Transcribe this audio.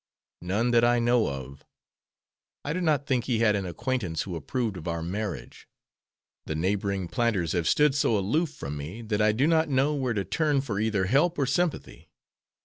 "None that I know of. I do not think he had an acquaintance who approved of our marriage. The neighboring planters have stood so aloof from me that I do not know where to turn for either help or sympathy.